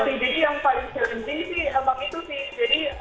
jadi yang paling penting sih emang itu sih